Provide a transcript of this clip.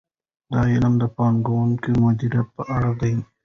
دا علم د پانګونې مدیریت په اړه دی.